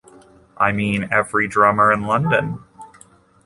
I mean every drummer in London.